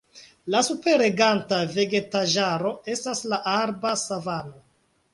La superreganta vegetaĵaro estas la arba savano.